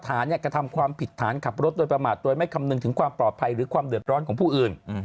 ฐานกระทำความผิดฐานขับรถโดยประมาทโดยไม่คำนึงถึงความปลอดภัยหรือความเดือดร้อนของผู้อื่น